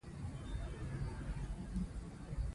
غږ دې وچ شو اوبه وڅښه!